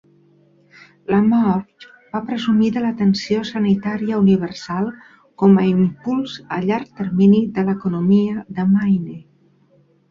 LaMarche va presumir de l'atenció sanitària universal com a impuls a llarg termini de l'economia de Maine.